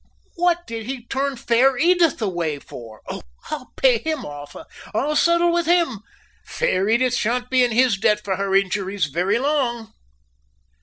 What did he turn Fair Edith away for? Oh! I'll pay him off! I'll settle with him! Fair Edith shan't be in his debt for her injuries very long."